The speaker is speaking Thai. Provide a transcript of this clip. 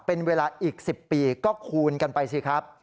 เป็นเวลาอีก๑๐ปีก็คูณกันไปสิครับ